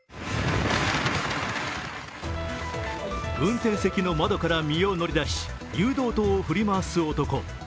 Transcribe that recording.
運転席の窓から身を乗り出し誘導灯を振り回す男。